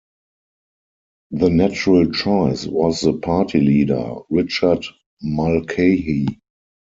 The natural choice was the party leader, Richard Mulcahy.